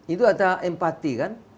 itu ada empati kan